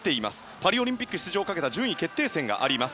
パリオリンピック出場をかけた順位決定戦があります。